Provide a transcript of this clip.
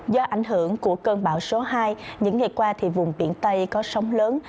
do ảnh hưởng của cơn bão số hai những ngày qua thì vùng biển tây có sóng lớn